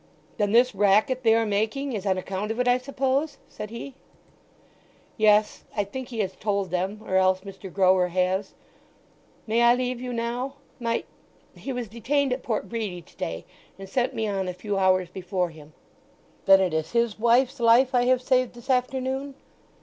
"Then this racket they are making is on account of it, I suppose?" said he. "Yes—I think he has told them, or else Mr. Grower has.... May I leave you now? My—he was detained at Port Bredy to day, and sent me on a few hours before him." "Then it is his wife's life I have saved this afternoon."